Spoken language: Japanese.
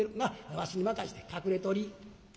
わしに任して隠れとり」。